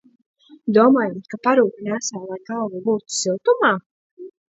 Domājiet, ka parūku nēsāju, lai galva būtu siltumā?